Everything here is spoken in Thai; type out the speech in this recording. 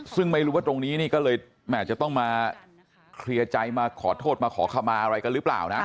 ซึ่งไม่รู้ว่าตรงนี้นี่ก็เลยแห่จะต้องมาเคลียร์ใจมาขอโทษมาขอขมาอะไรกันหรือเปล่านะ